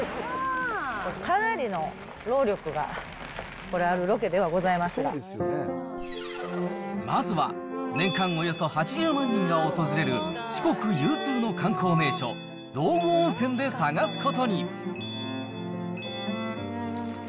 かなりの労力がこれ、まずは、年間およそ８０万人が訪れる、四国有数の観光名所、道後温泉で探すことに。